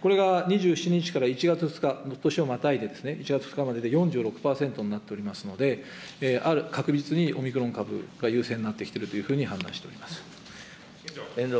これが２７日から１月２日、年をまたいでですね、１月２日までで４６％になっておりますので、確実にオミクロン株が優勢になってきているというふうに判断しております。